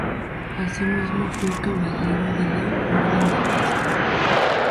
Asimismo, fue caballero de la Orden de Cristo.